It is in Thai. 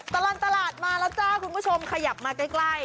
ตลอดตลาดมาแล้วจ้าคุณผู้ชมขยับมาใกล้